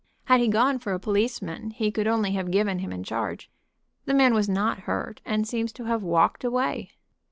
Had he gone for a policeman he could only have given him in charge. The man was not hurt, and seems to have walked away."